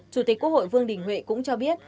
chủ tịch quốc hội vương đình huệ cũng cho biết